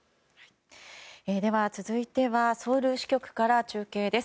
続いてはソウル支局から中継です。